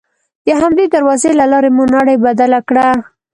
د همدې دروازې له لارې مو نړۍ بدله کړه.